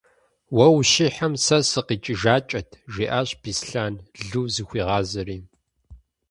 - Уэ ущихьэм, сэ сыкъикӏыжакӏэт, - жиӏащ Беслъэн Лу зыхуигъазэри.